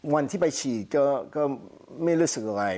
วันที่ไปฉีดก็ไม่รู้สึกอะไร